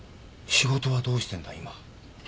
仕事はどうしてんだ今？